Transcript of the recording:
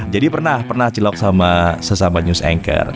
jadi pernah pernah cilok sama sesama news anchor